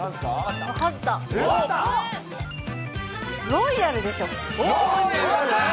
ロイヤルでしょ。